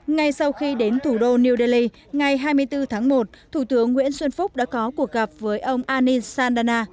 ngay sau khi đến thủ đô new delhi ngày hai mươi bốn tháng một thủ tướng nguyễn xuân phúc đã có cuộc gặp với ông ani sandana